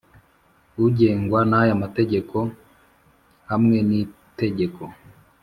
Ugengwa n aya mageteko hamwe n itegeko